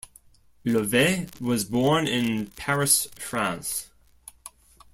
Levet was born in Paris, France.